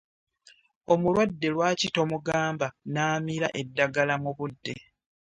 Omulwadde lwaki tomugamba n'amira eddagala mu budde?